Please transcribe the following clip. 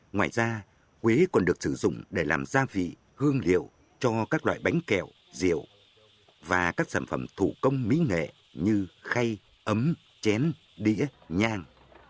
ngoài ra quế còn được sử dụng để làm gia vị hương liệu cho các loại bánh kẹo rượu và các sản phẩm thủ công mỹ nghệ như khay ấm chén đĩa nhang